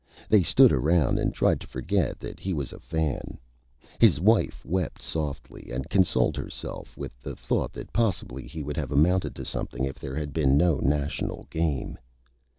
They stood around and tried to forget that he was a Fan. His Wife wept softly and consoled herself with the Thought that possibly he would have amounted to Something if there had been no National Game.